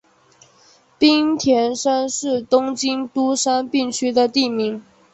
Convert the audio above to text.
滨田山是东京都杉并区的地名。